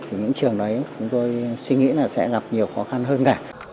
thì những trường đấy chúng tôi suy nghĩ là sẽ gặp nhiều khó khăn hơn cả